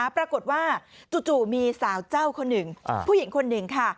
ปรากฏว่าจู่มีสาวเจ้าคนหนึ่งผู้หญิงคนหนึ่งค่ะ